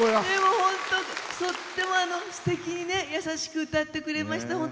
本当、とってもすてきで優しく歌ってくれました。